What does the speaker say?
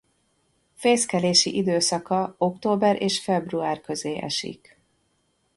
Fészkelési időszaka október és február közé esik.